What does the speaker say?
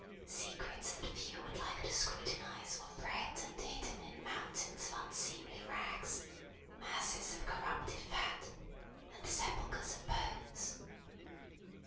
Secrets that few would like to scrutinise were bred and hidden in mountains of unseemly rags, masses of corrupted fat, and sepulchres of bones.